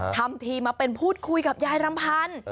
ทำทีมาเป็นพูดคุยกับยายรำพันธ์